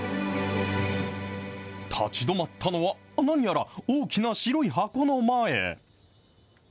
立ち止まったのは、何やら大きな白い箱の前。